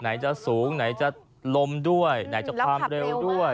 ไหนจะสูงไหนจะลมด้วยไหนจะความเร็วด้วย